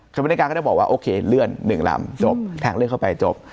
บริการก็จะบอกว่าโอเคเลื่อน๑ลำจบทางเลื่อนเข้าไปจบ